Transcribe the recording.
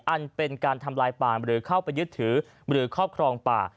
อันเป็นการทำลายป่าหรือเข้าไปยึดถือหรือครอบครองป่า